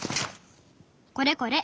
これこれ。